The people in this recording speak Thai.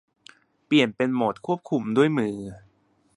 เปลี่ยนเป็นโหมดควบคุมด้วยมือ